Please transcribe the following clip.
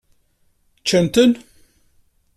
Ččant-ten?